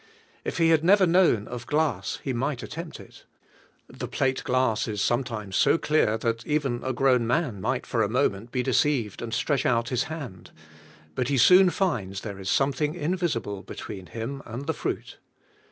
If he had never known of glass he might attempt it. The plate glass is sometimes so clear that even a arown man might for a moment be deceived and stretch out his hand. But he soon finds there is something invisible between him and the fruit.